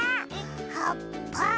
はっぱ！